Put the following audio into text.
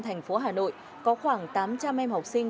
tp hà nội có khoảng tám trăm linh em học sinh